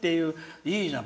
いいじゃん。